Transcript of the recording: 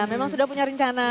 memang sudah punya rencana